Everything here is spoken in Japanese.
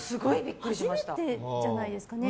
初めてじゃないですかね